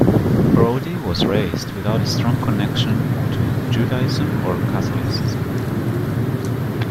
Brody was raised "without a strong connection" to Judaism or Catholicism.